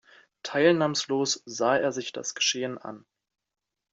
Teilnahmslos sah er sich das Geschehen an.